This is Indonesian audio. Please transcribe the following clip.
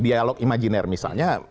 dialog imajiner misalnya